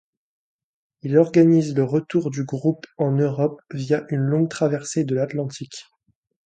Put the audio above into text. Il organise le retour du groupe en Europe via une longue traversée de l'Atlantique.